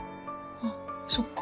あっそっか。